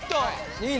いいね。